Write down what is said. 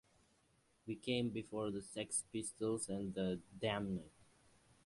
We came before the Sex Pistols and The Damned.